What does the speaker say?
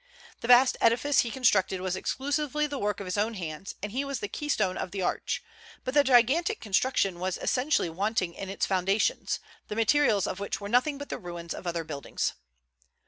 The vast edifice he constructed was exclusively the work of his own hands, and he was the keystone of the arch; but the gigantic construction was essentially wanting in its foundations, the materials of which were nothing but the ruins of other buildings."